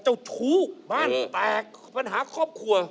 เจ้าชู้บ้านแตกปัญหาครอบครัว